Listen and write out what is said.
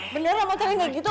beneran mau cari gak gitu